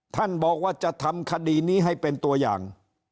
ท่านบอกว่าจะทำคดีนี้ให้เป็นตัวอย่าง